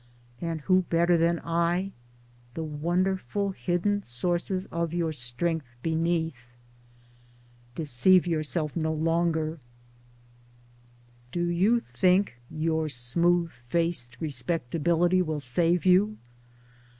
(and who better than I the wonderful hidden sources of your strength beneath?) Deceive yourself no longer. Do you think your smooth faced Respectability will save you